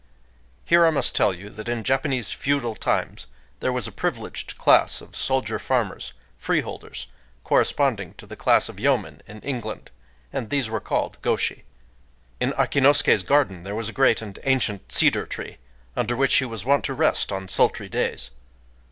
[Here I must tell you that in Japanese feudal times there was a privileged class of soldier farmers,—free holders,—corresponding to the class of yeomen in England; and these were called gōshi.] In Akinosuké's garden there was a great and ancient cedar tree, under which he was wont to rest on sultry days.